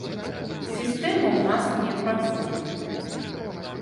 Сістэма ў нас не працуе.